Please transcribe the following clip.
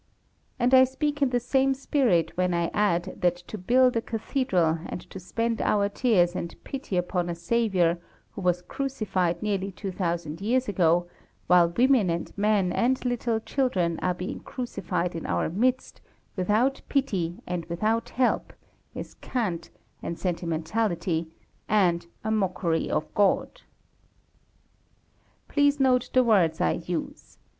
And I speak in the same spirit when I add that to build a cathedral, and to spend our tears and pity upon a Saviour who was crucified nearly two thousand years ago, while women and men and little children are being crucified in our midst, without pity and without help, is cant, and sentimentality, and a mockery of God. Please note the words I use.